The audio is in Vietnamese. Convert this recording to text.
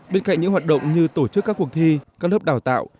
bên cạnh những hoạt động như tổ chức các cuộc thi các lớp đào tạo